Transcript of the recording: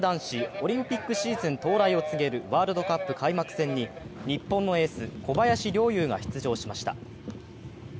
オリンピックシーズン到来を告げるワールドカップ開幕戦に日本のエース・小林陵侑が出場しました。